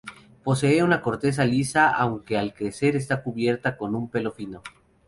Posee una corteza lisa, aunque al crecer está cubierta con un pelo fino.